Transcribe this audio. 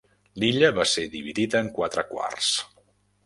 L'illa va ser dividida en quatre quarts.